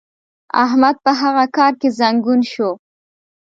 احمد په هغه کار کې زنګون شو.